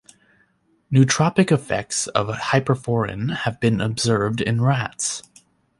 Nootropic effects of hyperforin have been observed in rats.